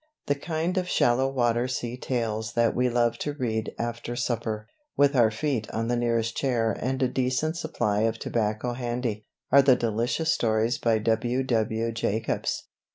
The kind of shallow water sea tales that we love to read after supper, with our feet on the nearest chair and a decent supply of tobacco handy, are the delicious stories by W.W. Jacobs.